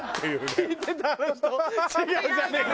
「聞いてた話と違うじゃねえか」。